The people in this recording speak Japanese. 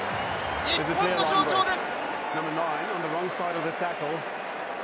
日本の象徴です！